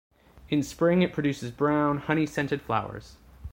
In spring it produces brown, honey-scented flowers.